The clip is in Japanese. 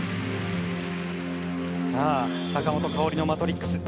さあ坂本花織の『マトリックス』。